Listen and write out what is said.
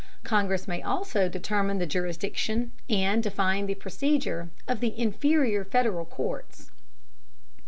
Congress may also determine the jurisdiction, and define the procedure, of the inferior Federal courts.